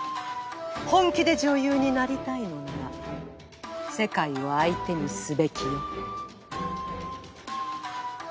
本気で女優になりたいのなら世界を相手にすべきよ。